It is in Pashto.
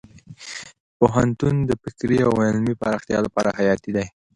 پوهنتون د فکري او علمي پراختیا لپاره حیاتي دی.